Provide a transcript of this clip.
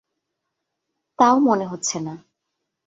তাও মনে হচ্ছে না।